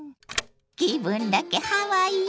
気分だけハワイよ。